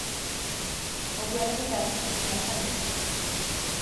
მოგვიანებით დანიშნეს ფინანსთა მინისტრად.